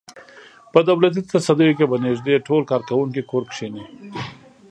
په دولتي تصدیو کې به نږدې ټول کارکوونکي کور کېني.